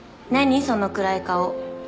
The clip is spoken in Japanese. その暗い顔。